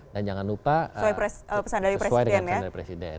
dan jangan lupa sesuai dengan pesan dari presiden